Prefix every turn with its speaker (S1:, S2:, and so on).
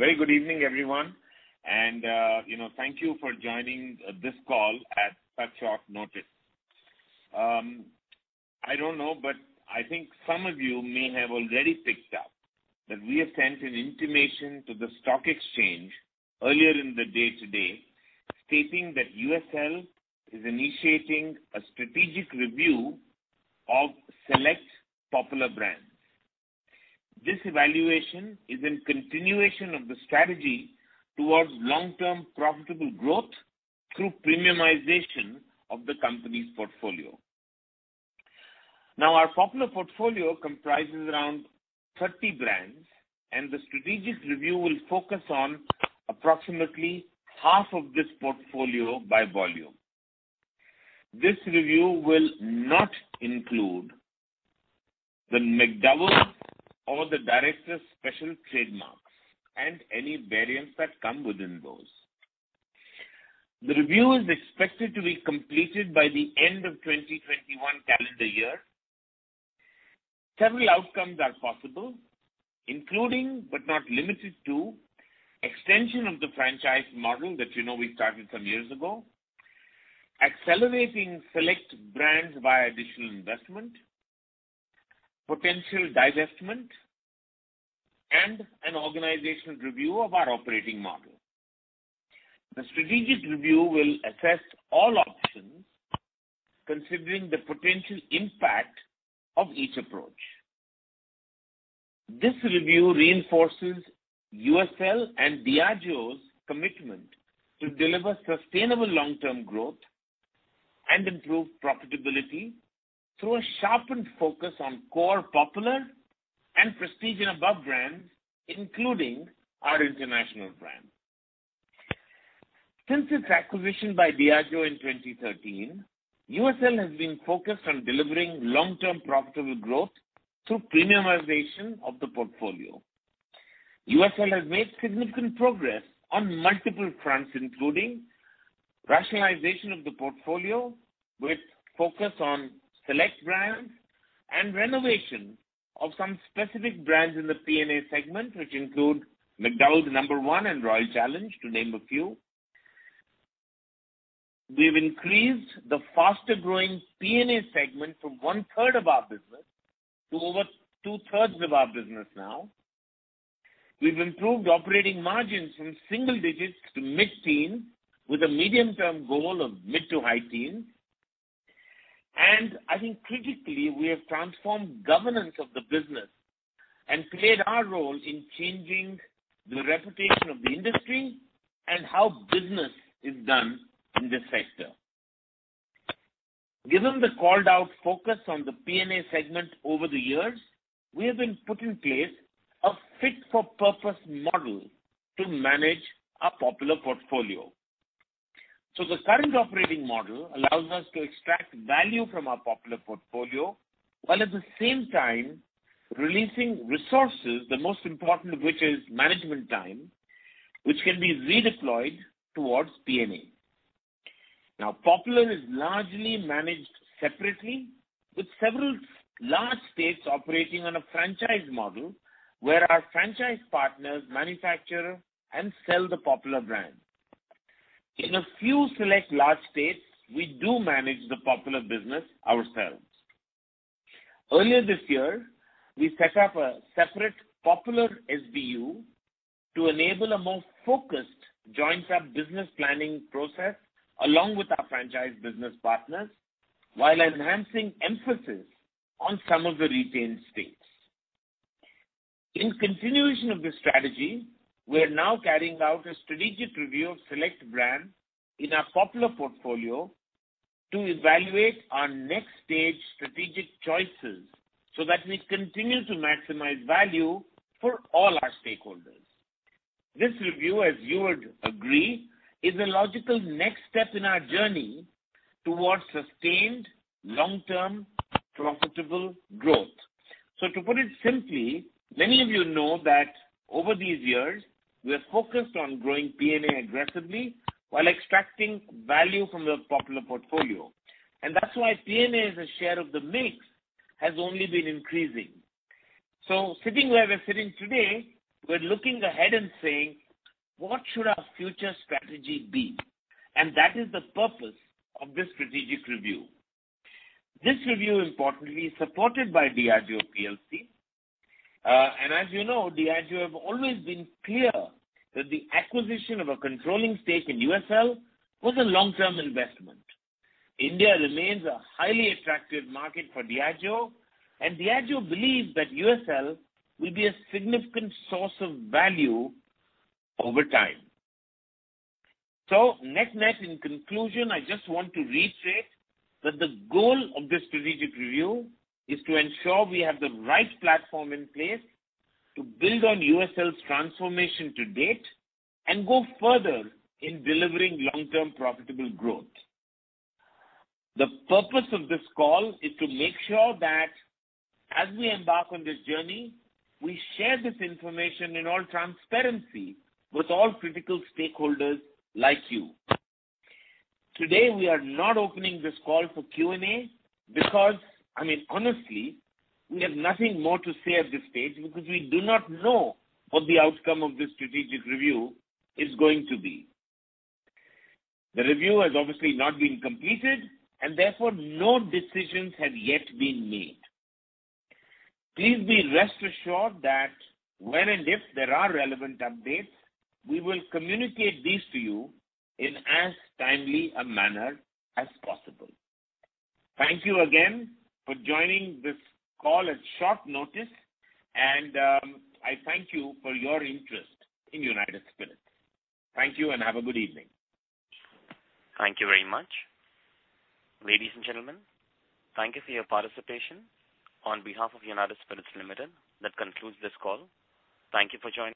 S1: Very good evening, everyone. Thank you for joining this call at such short notice. I don't know, I think some of you may have already picked up that we have sent an intimation to the stock exchange earlier in the day today, stating that USL is initiating a strategic review of select Popular brands. This evaluation is in continuation of the strategy towards long-term profitable growth through premiumization of the company's portfolio. Now, our Popular portfolio comprises around 30 brands, and the strategic review will focus on approximately half of this portfolio by volume. This review will not include the McDowell's or the Director's Special trademarks and any variants that come within those. The review is expected to be completed by the end of 2021 calendar year. Several outcomes are possible, including, but not limited to, extension of the franchise model that you know we started some years ago, accelerating select brands via additional investment, potential divestment, and an organizational review of our operating model. The strategic review will assess all options, considering the potential impact of each approach. This review reinforces USL and Diageo's commitment to deliver sustainable long-term growth and improve profitability through a sharpened focus on core popular and prestige and above brands, including our international brands. Since its acquisition by Diageo in 2013, USL has been focused on delivering long-term profitable growth through premiumization of the portfolio. USL has made significant progress on multiple fronts, including rationalization of the portfolio with focus on select brands and renovation of some specific brands in the P&A segment, which include McDowell's No. 1 and Royal Challenge, to name a few. We've increased the faster-growing P&A segment from one-third of our business to over two-thirds of our business now. We've improved operating margins from single digits to mid-teens with a medium-term goal of mid to high teens. I think critically, we have transformed governance of the business and played our role in changing the reputation of the industry and how business is done in this sector. Given the called-out focus on the P&A segment over the years, we have been putting in place a fit-for-purpose model to manage our Popular portfolio. The current operating model allows us to extract value from our Popular portfolio, while at the same time releasing resources, the most important of which is management time, which can be redeployed towards P&A. Now, Popular is largely managed separately with several large states operating on a franchise model where our franchise partners manufacture and sell the Popular brand. In a few select large states, we do manage the Popular business ourselves. Earlier this year, we set up a separate Popular SBU to enable a more focused joint business planning process, along with our franchise business partners, while enhancing emphasis on some of the retained states. In continuation of this strategy, we are now carrying out a strategic review of select brands in our Popular portfolio to evaluate our next stage strategic choices so that we continue to maximize value for all our stakeholders. This review, as you would agree, is a logical next step in our journey towards sustained long-term profitable growth. To put it simply, many of you know that over these years, we are focused on growing P&A aggressively while extracting value from the Popular portfolio. That's why P&A, as a share of the mix, has only been increasing. Sitting where we're sitting today, we're looking ahead and saying, "What should our future strategy be?" That is the purpose of this strategic review. This review, importantly, is supported by Diageo plc. As you know, Diageo have always been clear that the acquisition of a controlling stake in USL was a long-term investment. India remains a highly attractive market for Diageo, and Diageo believes that USL will be a significant source of value over time. Net-net, in conclusion, I just want to reiterate that the goal of this strategic review is to ensure we have the right platform in place to build on USL's transformation to date and go further in delivering long-term profitable growth. The purpose of this call is to make sure that as we embark on this journey, we share this information in all transparency with all critical stakeholders like you. Today, we are not opening this call for Q&A because, I mean, honestly, we have nothing more to say at this stage because we do not know what the outcome of this strategic review is going to be. The review has obviously not been completed, and therefore, no decisions have yet been made. Please be rest assured that when and if there are relevant updates, we will communicate these to you in as timely a manner as possible. Thank you again for joining this call at short notice, and I thank you for your interest in United Spirits. Thank you and have a good evening.
S2: Thank you very much. Ladies and gentlemen, thank you for your participation. On behalf of United Spirits Limited, that concludes this call. Thank you for joining.